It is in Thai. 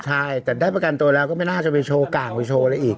ใช่แต่ได้ประกันตัวแล้วก็ไม่น่าจะไปโชว์กลางไปโชว์อะไรอีก